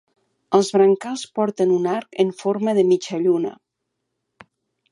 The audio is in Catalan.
Els brancals porten un arc en forma de mitja lluna.